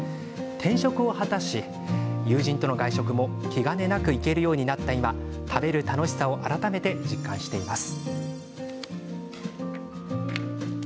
転職を果たし、友人との外食も気兼ねがなくなった今食べる楽しさを改めて実感しています。